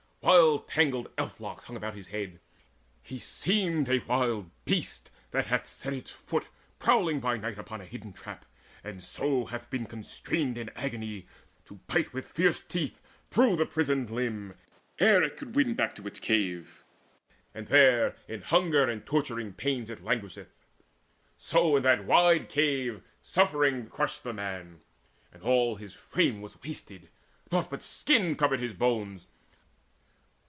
Wild tangled elf locks hung about his head. He seemed a wild beast, that hath set its foot, Prowling by night, upon a hidden trap, And so hath been constrained in agony To bite with fierce teeth through the prisoned limb Ere it could win back to its cave, and there In hunger and torturing pains it languisheth. So in that wide cave suffering crushed the man; And all his frame was wasted: naught but skin Covered his bones.